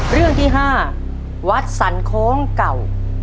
เรื่องที่ห้าวัดสรรคงเก่า